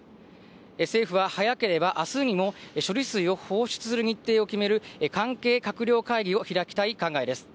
政府は早ければあすにも処理水を放出する日程を決める関係閣僚会議を開きたい考えです。